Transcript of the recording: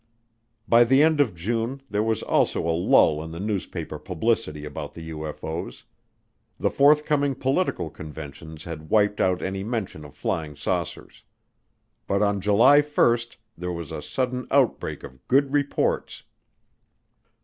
By the end of June there was also a lull in the newspaper publicity about the UFO's. The forthcoming political conventions had wiped out any mention of flying saucers. But on July 1 there was a sudden outbreak of good reports.